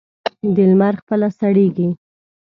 د لمر خپله سړېږي.